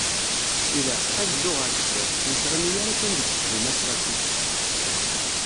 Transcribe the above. Ilaq, ad neddu ɣer sdat, ur nettɣimi ara kan deg uqdim aklasiki.